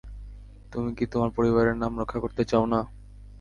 তুমি কি তোমার পরিবারের নাম রক্ষা করতে চাও না?